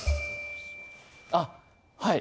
あっはい。